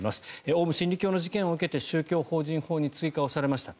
オウム真理教の事件を受けて宗教法人法に追加されました。